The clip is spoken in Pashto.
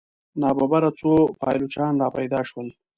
ناببره څو پایلوچان را پیدا شول.